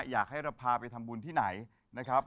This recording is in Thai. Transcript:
อยากให้เราพาไปทำบุญที่ไหนนะครับ